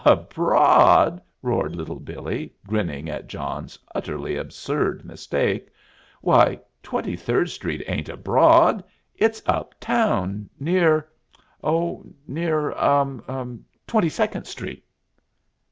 "Abroad!" roared Little Billee, grinning at John's utterly absurd mistake. "Why, Twenty Third Street ain't abroad! It's up town near oh, near Twenty Second Street."